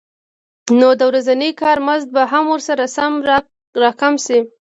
نو د ورځني کار مزد به هم ورسره سم راکم شي